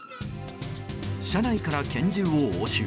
車内から拳銃を押収。